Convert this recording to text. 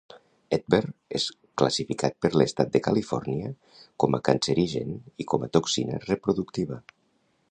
EtBr és classificat per l'Estat de Califòrnia com a cancerigen i com a toxina reproductiva.